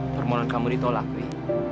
permohonan kamu ditolak dwi